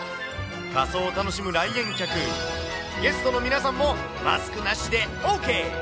仮装を楽しむ来園客、ゲストの皆さんもマスクなしでＯＫ。